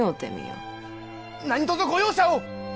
何とぞご容赦を！